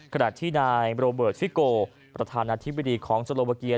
ขณะที่นายโรเบิร์ตซิโกประธานาธิบดีของโซโลวาเกีย